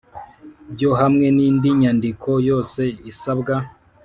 Byo hamwe n indi nyandiko yose isabwa